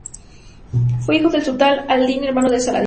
Fue hijo del sultán Al-Adil, hermano de Saladino.